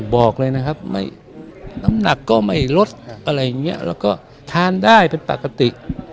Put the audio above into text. บอกเลยนะครับน้ำหนักก็ไม่ลดอะไรอย่างนี้แล้วก็ทานได้เป็นปกติ